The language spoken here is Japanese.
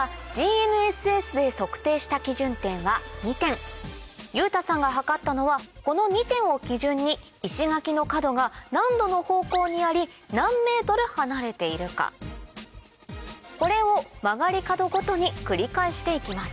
実は裕太さんが測ったのはこの２点を基準に石垣の角が何度の方向にあり何ｍ離れているかこれを曲がり角ごとに繰り返していきます